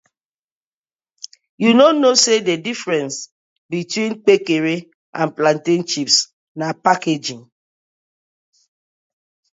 Yu no kno say di difference between Kpekere and plantain chips na packaging.